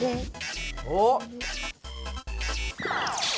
おっ？